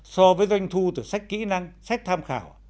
so với doanh thu từ sách kỹ năng sách tham khảo